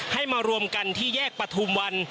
ให้มารวมกันที่แยกปฐุมวัน